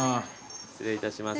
失礼いたします。